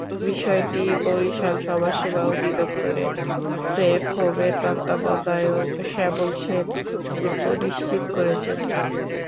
বিষয়টি বরিশাল সমাজসেবা অধিদপ্তরের সেফ হোমের তত্ত্বাবধায়ক শ্যামল সেন গুপ্ত নিশ্চিত করেছেন।